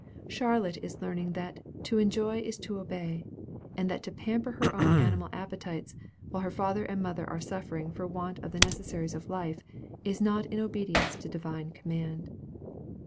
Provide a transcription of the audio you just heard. Charlotte is learning that "to enjoy is to obey;" and that to pamper her own animal appetites, while her father and mother are suffering for want of the necessaries of life, is not in obedience to Divine command.